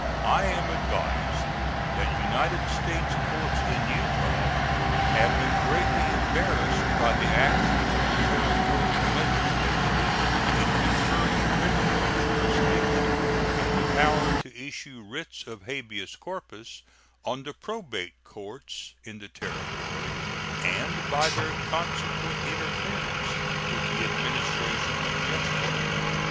I am advised that United States courts in Utah have been greatly embarrassed by the action of the Territorial legislature in conferring criminal jurisdiction and the power to issue writs of habeas corpus on the probate courts in the Territory, and by their consequent interference with the administration of justice.